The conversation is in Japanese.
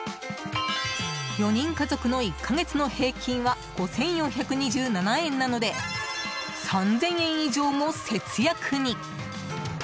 ４人家族の１か月の平均は５４２７円なので３０００円以上も節約に。